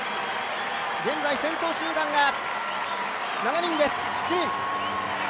現在先頭集団が７人です。